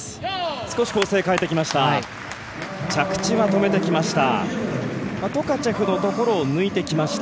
少し構成を変えてきました。